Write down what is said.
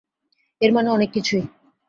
এর মানে অনেক কিছুই।